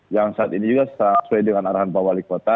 yang saat ini juga sesuai dengan arahan pak waliwata